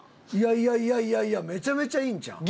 いやいやいやいやめちゃめちゃいいんちゃうん？